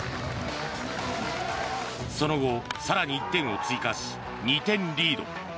その後、更に１点を追加し２点リード。